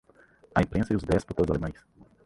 A Imprensa e os Déspotas Alemães